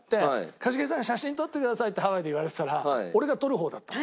「一茂さん写真撮ってください」ってハワイで言われてたら俺が撮る方だったの。